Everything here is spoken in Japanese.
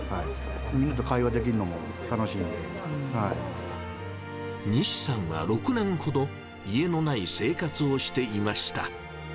みんなと会話できるのも楽しいん西さんは６年ほど、家のない生活をしていました。